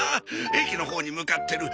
駅のほうに向かってる。